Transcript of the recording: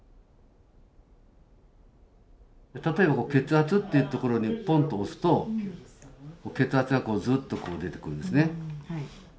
例えば血圧っていう所にポンッと押すと血圧がこうずっと出てくるんですね。